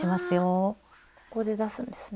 ああここで出すんですね。